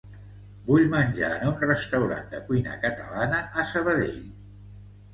Vull menjar en un restaurant de cuina catalana a Sabadell.